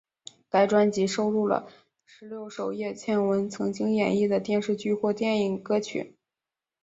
该专辑收录了十六首叶蒨文曾经演绎的电视剧或电影歌曲。